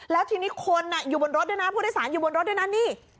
แล้วทีนี้คนอยู่บนรถด้วยนะผู้โดยสารอยู่บนรถด้วยนะนี่